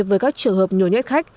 với các trường hợp nhồi nhét khách